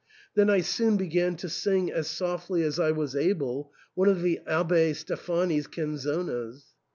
Then I soon began to sing as softly as I was able one of the Abb6 Steffani's * canzonas.